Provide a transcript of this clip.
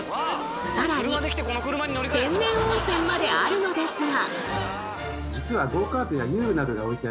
さらに天然温泉まであるのですが。